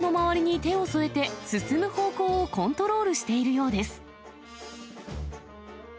よく見ると、ダチョウの顔の周りに手を添えて、進む方向をコントロールしているようです。